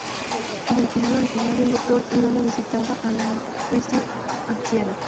En el final original, el Doctor y Donna visitaban a la Christie anciana.